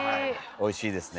おいしいですね。